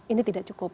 ini tidak cukup